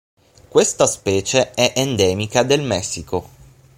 Questa specie è endemica del Messico.